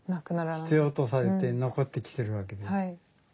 必要とされて残ってきてるわけです。